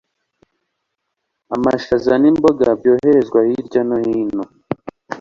amashaza, n’imboga byoherezwa hirya no hino